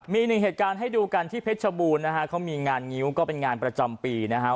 มีหนึ่งเหตุการณ์ให้ดูกันที่เพชรชบูรณ์นะฮะเขามีงานงิ้วก็เป็นงานประจำปีนะฮะ